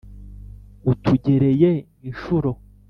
utugereye inshuro